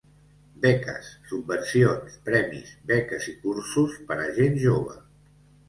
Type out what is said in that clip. Beques, subvencions, premis, beques i cursos per a gent jove.